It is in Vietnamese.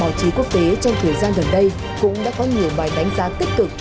báo chí quốc tế trong thời gian gần đây cũng đã có nhiều bài đánh giá tích cực